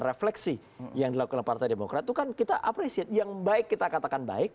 refleksi yang dilakukan oleh partai demokrat itu kan kita apresiasi yang baik kita katakan baik